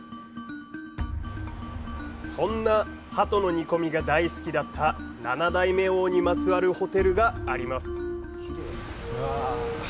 そんなハトの煮込みが大好きだった７代目王にまつわるホテルがあります。